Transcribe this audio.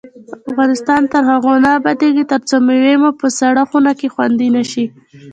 افغانستان تر هغو نه ابادیږي، ترڅو مېوې مو په سړه خونه کې خوندي نشي.